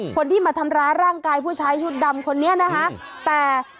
คนที่มาทำร้ายร่างกายผู้ชายชุดดำคนนี้นะคะ